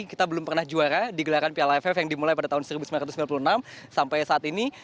kita belum pernah juara di gelaran piala aff yang dimulai pada tahun seribu sembilan ratus sembilan puluh enam sampai saat ini